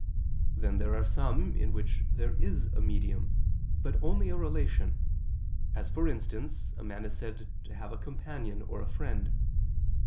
Then there are some in which there is a medium, but only a relation: as, for instance, a man is said to have a companion or a friend.